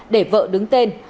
để vợ đứng tên